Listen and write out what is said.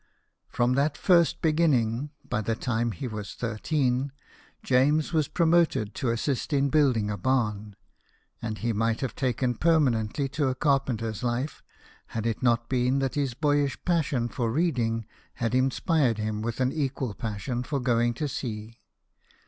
From that first beginning, by the time he was thirteen, James was promoted to assist in building a barn; and he might have taken permanently to a carpenter's life, had it not been that his boyish passion for reading had inspired him with an equal passion for going to sea.